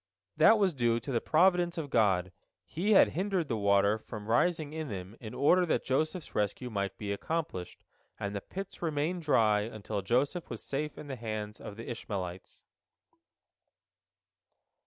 That was due to the providence of God; He had hindered the water from rising in them in order that Joseph's rescue might be accomplished, and the pits remained dry until Joseph was safe in the hands of the Ishmaelites.